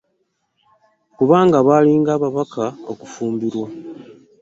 Kubanga bali nga babakaka okufumbirwa .